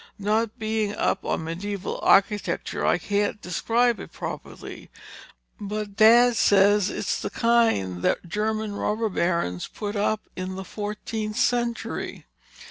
Not being up on medieval architecture I can't describe it properly, but Dad says it is the kind that German robber barons put up in the fourteenth century.